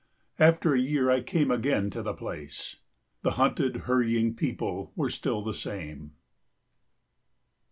After a year I came again to the place The hunted hurrying people were still the same....